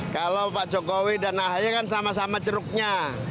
kalau pak jokowi dan ahy kan sama sama ceruknya